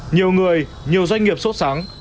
nhiều người nhiều doanh nghiệp sốt sáng